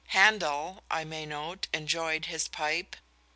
Handel, I may note, enjoyed his pipe.